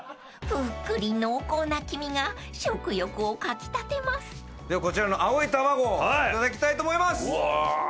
［ぷっくり濃厚な黄身が食欲をかき立てます］ではこちらの青いたまごをいただきたいと思います。